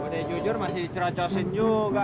buat dia jujur masih dicerocosin juga